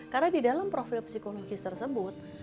karena di dalam profil psikologis tersebut